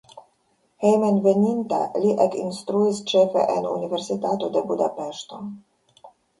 Hejmenveninta li ekinstruis ĉefe en Universitato de Budapeŝto.